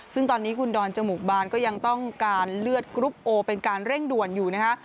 ซึ่งตอนนี้คุณดอนจมูกบานก็ยังต้องการเลือดกรุ๊ปโอเป็นการเร่งด่วนอยู่นะคะ